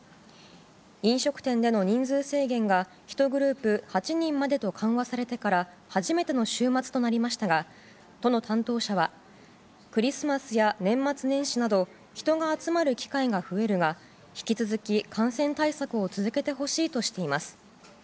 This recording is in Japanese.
飲食店での人数制限が１グループ８人までと緩和されてから初めての週末となりましたが都の担当者はクリスマスや年末年始など人が集まる機会が増えるが引き続き、感染対策を続けてほしいとしています。